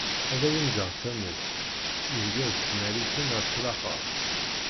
Ad awen-ğğeγ tamurt, ideg ad tmerriten at laxert.